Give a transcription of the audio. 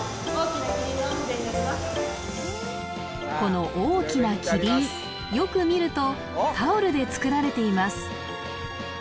この大きなキリンよく見るとタオルで作られています